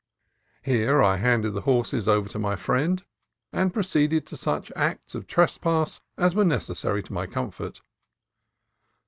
Here I handed the horses over to my friend, and proceeded to such acts of trespass as were necessary to my comfort.